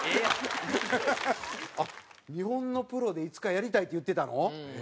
「日本のプロでいつかやりたい」って言ってたの？